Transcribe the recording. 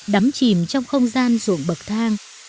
đắm chìm trong không gian ruộng bậc thang